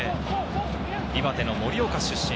岩手・盛岡出身。